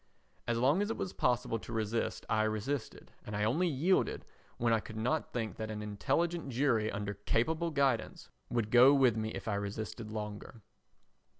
As long as it was possible to resist I resisted, and only yielded when I could not think that an intelligent jury under capable guidance would go with me if I resisted longer.